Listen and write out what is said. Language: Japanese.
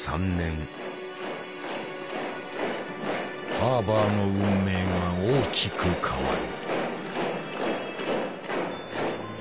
ハーバーの運命が大きく変わる。